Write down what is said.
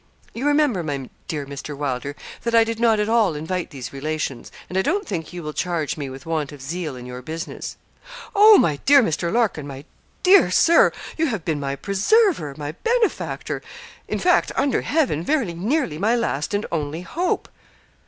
You remember, my dear Mr. Wylder, that I did not at all invite these relations; and I don't think you will charge me with want of zeal in your business.' 'Oh! my dear Mr. Larkin, my dear Sir, you have been my preserver, my benefactor in fact, under Heaven, very nearly my last and only hope.'